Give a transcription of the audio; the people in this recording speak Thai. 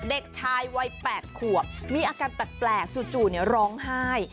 เด็กชายวัยแปดขวบมีอาการแปลกแปลกจู่จู่เนี้ยร้องไห้